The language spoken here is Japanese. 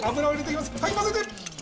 はいまぜて！